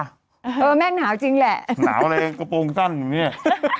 แม่งหนาวจริงแหละหนาวอะไรกระโปรงสั้นอยู่เนี่ย